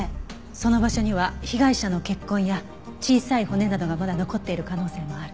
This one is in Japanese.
その場所には被害者の血痕や小さい骨などがまだ残っている可能性もある。